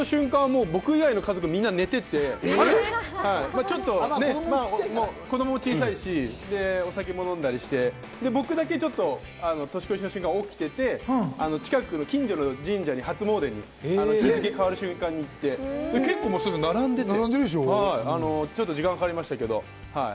僕以外の家族、みんな寝てて、子供は小さいし、お酒も飲んだりして、僕だけちょっと年越しの瞬間、起きてて、近所の神社に初詣に、日付変わる瞬間にいて結構並んでて、時間かかりましたけど。